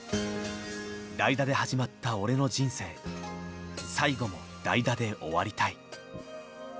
「代打で始まった俺の人生最後も代打で終わりたい」。